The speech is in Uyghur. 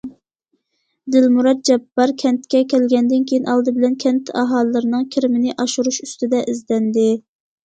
دىلمۇرات جاپپار كەنتكە كەلگەندىن كېيىن، ئالدى بىلەن كەنت ئاھالىلىرىنىڭ كىرىمىنى ئاشۇرۇش ئۈستىدە ئىزدەندى.